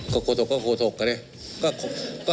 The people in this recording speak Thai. โคศกก็โคศกก็เลย